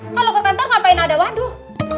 kalau ke kantor ngapain ada waduh